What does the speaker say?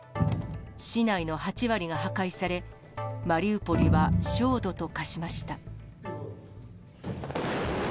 市内の８割が破壊され、マリウポリは焦土と化しました。